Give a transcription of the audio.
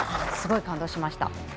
すごい感動しました。